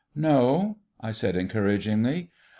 "No?" I said encouragingly.